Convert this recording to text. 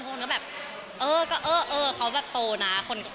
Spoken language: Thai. พวกนี้ก็แบบเออก็เออเขาแบบโตนะ